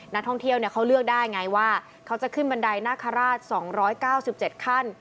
นักท่องเที่ยวเขาเลือกได้ไงว่าเขาจะขึ้นบันไดนาคาราช๒๙๗ขั้น